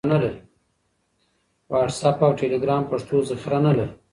واټس اپ او ټیلیګرام پښتو ذخیره نه لري.